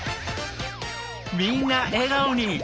みんな笑顔に！